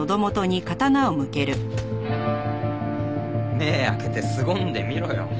目ぇ開けてすごんでみろよ。